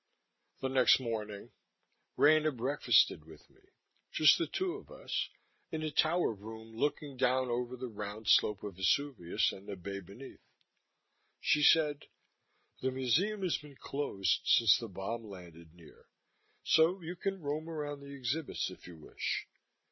The next morning, Rena breakfasted with me, just the two of us in a tower room looking down over the round slope of Vesuvius and the Bay beneath. She said: "The museum has been closed since the bomb landed near, so you can roam around the exhibits if you wish.